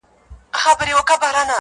د موبايل ټول تصويرونهيېدلېپاتهسي,